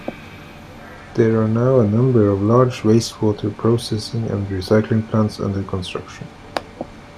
There are now a number of large wastewater processing and recycling plants under construction.